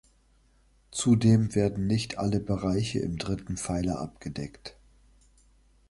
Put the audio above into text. Zudem werden nicht alle Bereiche im dritten Pfeiler abgedeckt.